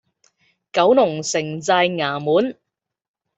九龍寨城衙門